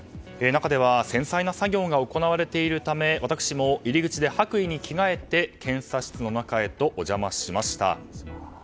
中では繊細な作業が行われているため私も入り口で白衣に着替えて検査室の中へとお邪魔しました。